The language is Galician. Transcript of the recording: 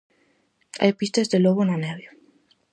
Hai pistas de lobo na neve.